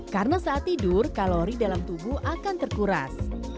karena saat tidur kalori dalam tubuh akan terkuras